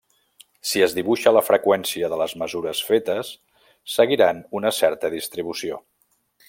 Si es dibuixa la freqüència de les mesures fetes, seguiran una certa distribució.